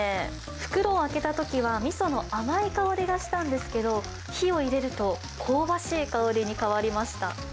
袋を開けたときは、みその甘い香りがしたんですけど、火を入れると香ばしい香りに変わりました。